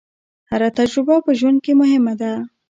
هره تجربه په ژوند کې مهمه ده.